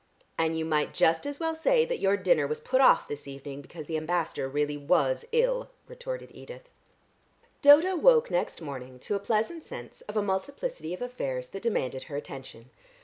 "And you might just as well say that your dinner was put off this evening because the Ambassador really was ill," retorted Edith. Dodo woke next morning to a pleasant sense of a multiplicity of affairs that demanded her attention.